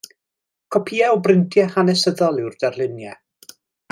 Copïau o brintiau hanesyddol yw'r darluniau.